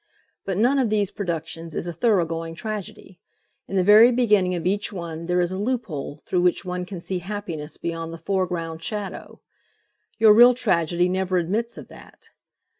But none of these productions is a thoroughgoing tragedy. In the very beginning of each one there is a loophole through which one can see happiness beyond the foreground shadow. Your real tragedy never admits of that.